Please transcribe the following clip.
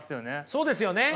そうですよね。